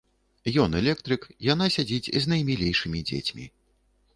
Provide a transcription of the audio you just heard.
Ён электрык, яна сядзіць з наймілейшымі дзецьмі.